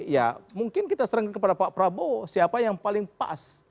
ya mungkin kita seringkan kepada pak prabowo siapa yang paling pas